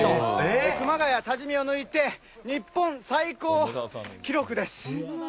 熊谷、多治見を抜いて、日本最高記録です。